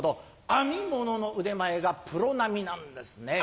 編み物の腕前がプロ並みなんですね。